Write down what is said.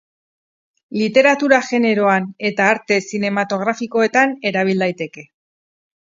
Literatura-generoan eta arte zinematografikoetan erabil daiteke.